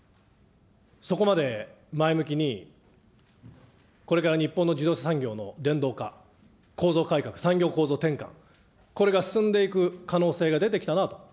そこまで前向きに、これから日本の自動車産業の電動化、構造改革、産業構造転換、これが進んでいく可能性が出てきたなと。